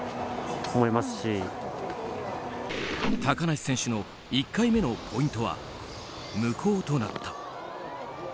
高梨選手の１回目のポイントは無効となった。